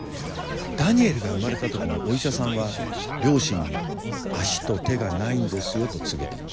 ダニエルが生まれた時にお医者さんは両親に「足と手がないんですよ」と告げた。